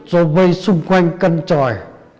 do vây xung quanh căn tròi